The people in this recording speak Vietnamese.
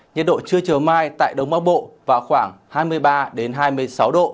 nhật độ chưa trở mai tại đông bắc bộ vào khoảng hai mươi ba hai mươi sáu độ